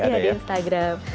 iya di instagram